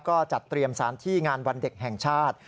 ก็จัดเตรียมสารที่งานวันเด็กแห่งชาติ